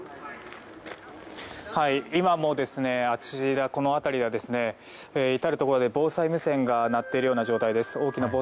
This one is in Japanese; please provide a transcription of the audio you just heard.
今もこの辺りは至るところで防災無線が鳴っているような状況です。